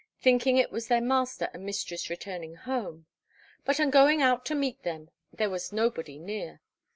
thinking it was their master and mistress returning home. But on going out to meet them, there was nobody near.